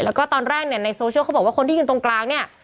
แล้วก็ตอนแรงในโซเชียลเขาบอกว่าคนที่อยู่ตรงกลาง